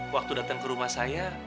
waktu datang ke rumah saya